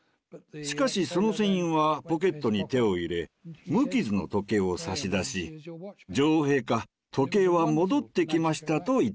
しかしその船員はポケットに手を入れ無傷の時計を差し出し「女王陛下時計は戻ってきました」と言ったのです。